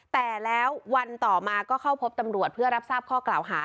แต่แล้ววันต่อมาก็เข้าพบตำรวจเพื่อรับทราบข้อกล่าวหา